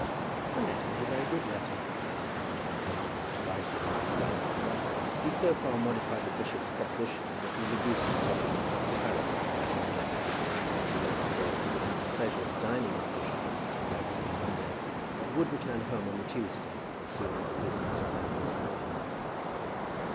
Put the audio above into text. The letter was a very good letter, and Dr. Tempest was obliged to do as he was asked. He so far modified the bishop's proposition that he reduced the sojourn at the palace by one night. He wrote to say that he would have the pleasure of dining with the bishop and Mrs. Proudie on the Monday, but would return home on the Tuesday, as soon as the business in hand would permit him.